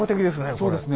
そうですね。